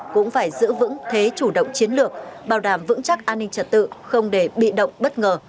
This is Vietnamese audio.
cũng phải giữ vững thế chủ động chiến lược bảo đảm vững chắc an ninh trật tự không để bị động bất ngờ